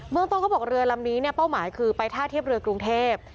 เมืองต้นเขาบอกเรือลำนี้เนี่ยเป้าหมายคือไปท่าเทียบเรือกรุงเทพ